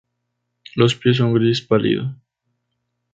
Los pies son gris pálido.